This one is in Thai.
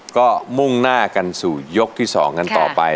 ก็มุ่งหน้ากันสู่ยกที่๒กันต่อไป